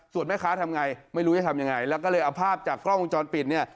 ส่วนแม่ค้าทำไงไม่รู้จะทำยังไงแล้วก็เลยเอาภาพจากกล้องวงจรปิดเนี่ย